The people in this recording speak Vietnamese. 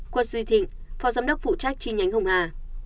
quất duy thịnh phó giám đốc phụ trách chi nhánh hồng hà